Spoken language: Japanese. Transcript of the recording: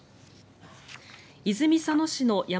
泉佐野市の山